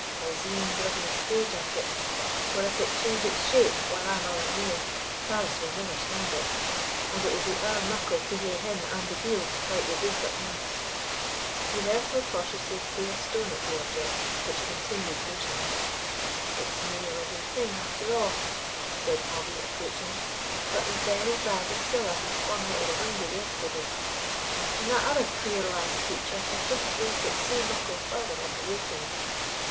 I'se e'en drive a stage at it, for if it change its shape when I'm ower near, Tarras will never stand it; and it will be ower muckle to hae him and the deil to fight wi' baith at ance." He therefore cautiously threw a stone at the object, which continued motionless. "It's nae living thing, after a'," said Hobbie, approaching, "but the very bag o' siller he flung out o' the window yesterday! and that other queer lang creature has just brought it sae muckle farther on the way to me."